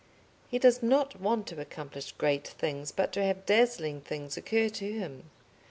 He does not want to accomplish great things, but to have dazzling things occur to him.